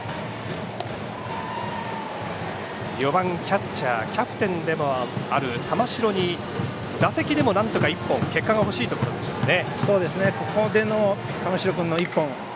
４番、キャッチャーキャプテンでもある玉城に打席でもなんとか１本結果がほしいところでしょうね。